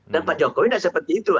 dan pak jokowi nggak seperti itu